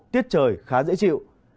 tiết trời khá dễ chịu